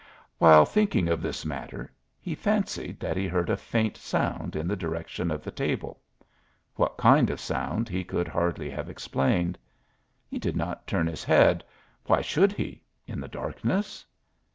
While thinking of this matter he fancied that he heard a faint sound in the direction of the table what kind of sound he could hardly have explained. He did not turn his head. Why should he in the darkness?